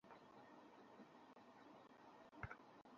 শুভ সকাল, ম্যাম।